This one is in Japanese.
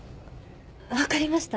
分かりました。